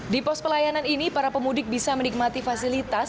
di pos pelayanan ini para pemudik bisa menikmati fasilitas